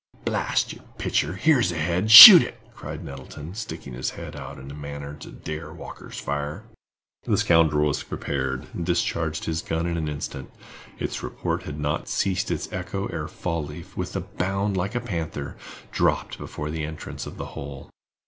"Blast yer picter, here's a head—shoot it!" cried Nettleton, sticking his head out in a manner to dare Walker's fire. The scoundrel was prepared, and discharged his gun in an instant. Its report had not ceased its echo ere Fall leaf, with a bound like a panther, dropped before the entrance of the hole.